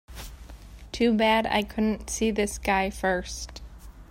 Too bad I couldn't see this guy first.